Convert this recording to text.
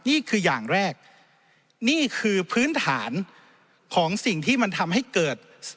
นี่คืออย่างแรกนี่คือพื้นฐานของสิ่งที่มันทำให้เกิด